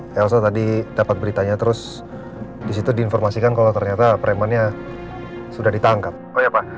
sel tadi dapat beritanya terus disitu diinformasikan kalau ternyata pribanya sudah ditangkap oleh apa